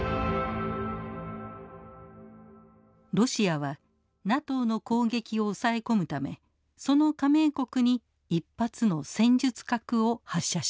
ロシアはＮＡＴＯの攻撃を抑え込むためその加盟国に１発の戦術核を発射します。